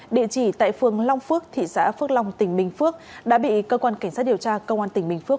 địa chỉ tại phường long phước thị xã phước long tỉnh bình phước đã bị cơ quan cảnh sát điều tra công an tỉnh bình phước